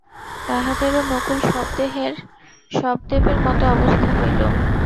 তাঁহাদেরও নকুল সহদেবের মত অবস্থা হইল।